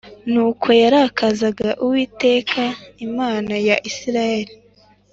n’uko yarakazaga Uwiteka Imana ya Isirayeli